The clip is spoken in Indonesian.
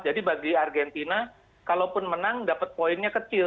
jadi bagi argentina kalaupun menang dapat poinnya kecil